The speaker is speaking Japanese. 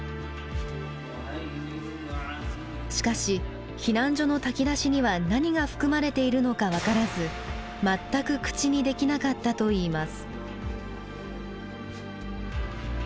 しかし避難所の炊き出しには何が含まれているのか分からず全く口にできなかったといいます。